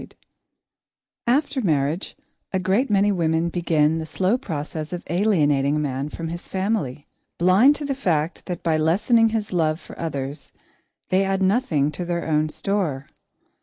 [Sidenote: The Destroyer] After marriage, a great many women begin the slow process of alienating a man from his family, blind to the fact that by lessening his love for others, they add nothing to their own store.